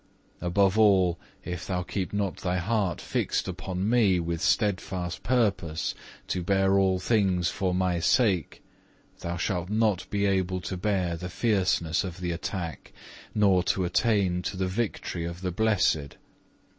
Above all, if thou keep not thy heart fixed upon Me with steadfast purpose to bear all things for My sake, thou shalt not be able to bear the fierceness of the attack, nor to attain to the victory of the blessed.